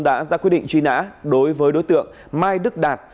đã ra quyết định truy nã đối với đối tượng mai đức đạt